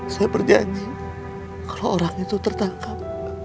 saya berjanji kalau orang itu tertangkap